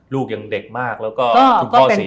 ลูกยังเด็กมากแล้วก็คุณพ่อเสีย